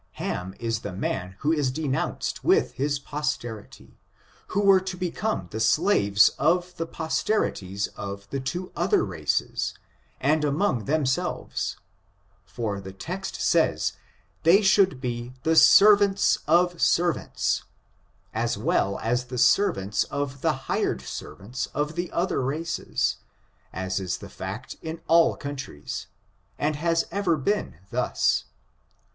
Ham is the man who is denounced with his posterity, who were to become the slaves of the posterities of the two other races, and among themselves ; for the text says, they should be the "servants of servants," as well as the servants of the hired servants of the other races, as is the fact in all countries, and has ever been thus.